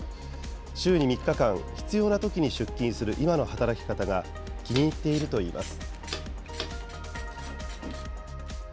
週に３日間、必要なときに出勤する今の働き方が気に入っているといいます。